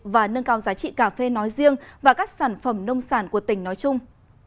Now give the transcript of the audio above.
và nâng cao giá trị cà phê nói riêng và các sản phẩm nông sản của tỉnh nói chung